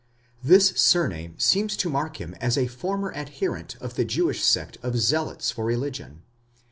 This surname seems to mark him as a former adherent of the Jewish sect of zealots for religion